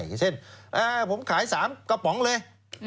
อย่างเช่นผมขาย๓กระป๋องเลย